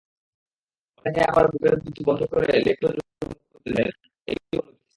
অনেকে আবার বুকের দুধ বন্ধ করে লেকটোজমুক্ত দুধ দেন, এটিও অনুচিত।